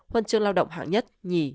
huân chương lao động hạng nhất